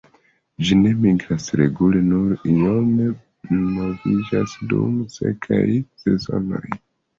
Ĝi ne migras regule, nur iome moviĝas dum sekaj sezonoj.